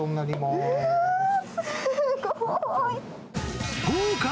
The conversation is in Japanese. すごーい！